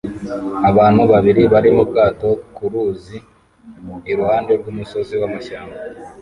Abantu babiri bari mu bwato ku ruzi iruhande rwumusozi wamashyamba